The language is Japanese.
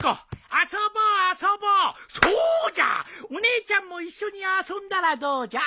そうじゃお姉ちゃんも一緒に遊んだらどうじゃ？